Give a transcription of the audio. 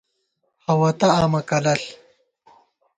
ہَوَتہ آمہ کلَݪ